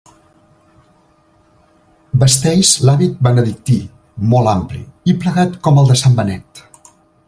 Vesteix l’hàbit benedictí, molt ampli, i plegat com el de sant Benet.